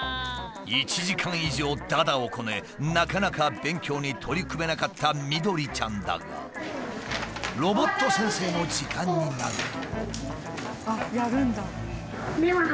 １時間以上だだをこねなかなか勉強に取り組めなかったみどりちゃんだがロボット先生の時間になると。